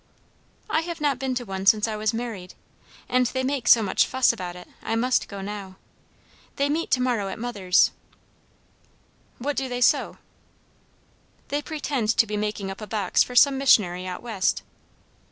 "I have not been once since I was married. And they make so much fuss about it, I must go now. They meet to morrow at mother's." "What do they sew?" "They pretend to be making up a box for some missionary out west."